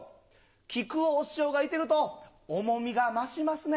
木久扇師匠がいてると重みが増しますね。